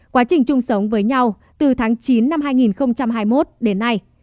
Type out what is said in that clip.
quá trình chung sống với nhau từ tháng chín năm hai nghìn hai mươi một đến nay